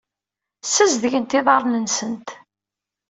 Ssazedgent iḍarren-nsent.